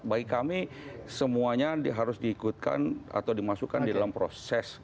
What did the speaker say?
bagi kami semuanya harus diikutkan atau dimasukkan di dalam proses